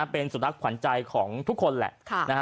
เป็นสุดท่านที่ขวานใจของทุกคนแหละ